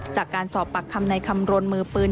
จากการสอบปากคำในคำรณมือปืน